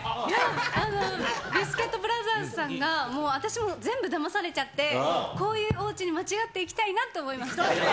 あの、ビスケットブラザーズさんが、もう私も、全部だまされちゃって、こういうおうちに間違って行きたいなって思いました。